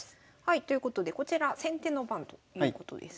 ということでこちら先手の番ということです。